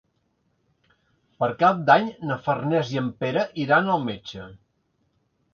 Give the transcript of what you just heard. Per Cap d'Any na Farners i en Pere iran al metge.